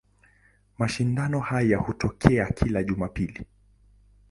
Mashindano hayo hutokea kila Jumapili.